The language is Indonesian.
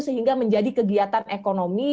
sehingga menjadi kegiatan ekonomi